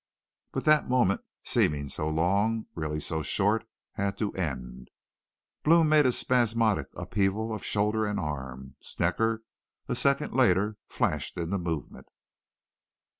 "But that moment, seeming so long, really so short, had to end. Blome made a spasmodic upheaval of shoulder and arm. Snecker a second later flashed into movement.